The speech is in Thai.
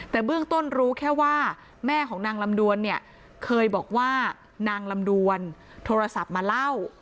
แต่เบื้องต้นรู้แค่ว่าแม่ของนางลำดวนเนี่ยเคยบอกว่านางลำดวนโทรศัพท์มาเล่า